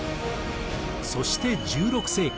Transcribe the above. そして１６世紀。